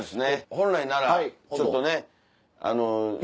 本来ならちょっとねあの。